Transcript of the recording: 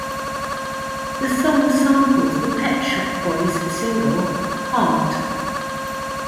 The song samples the Pet Shop Boys' single, "Heart".